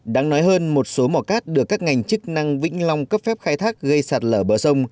đáng nói hơn một số mỏ cát được các ngành chức năng vĩnh long cấp phép khai thác gây sạt lở bờ sông